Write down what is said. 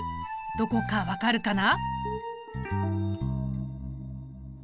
どこか分かるかな？